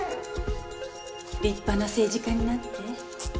立派な政治家になって。